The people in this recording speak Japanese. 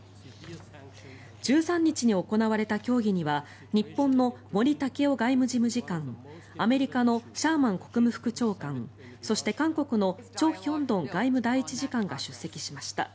１３日に行われた協議には日本の森健良外務事務次官アメリカのシャーマン国務副長官そして、韓国のチョ・ヒョンドン外務第１次官が出席しました。